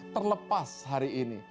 terlepas hari ini